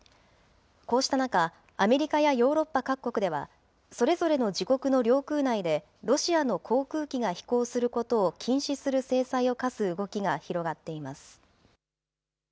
こうした中、アメリカやヨーロッパ各国では、それぞれの自国の領空内で、ロシアの航空機が飛行することを禁止する制裁を科す動きが広がっています。